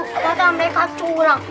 waduh mereka curang